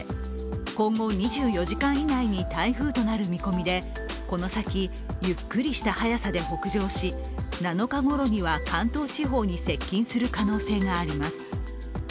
今後２４時間以内に台風となる見込みでこの先、ゆっくりした速さで北上し７日ごろには関東地方に接近する可能性があります。